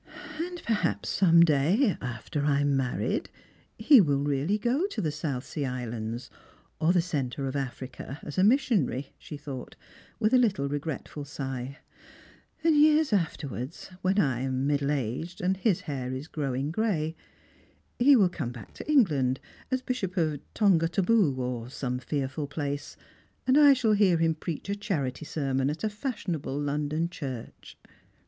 " And perhaps some day, after I am married, he will really go to the South Sea Islands, or the centre of Africa, as a mis sionary," she thought, with a little regretful sigh ;" and years afterwards, when I am middle aged and his hair is growing gray, he will come back to England as Bishop of Tongataboo, or some fearful place, and I shall hear him preach a charity sermon at a fashionable London church."